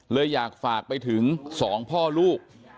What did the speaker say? เลยอยากฝากไปถึง๒พ่อลูก